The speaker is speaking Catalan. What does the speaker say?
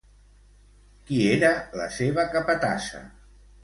Qui era la seva capatassa?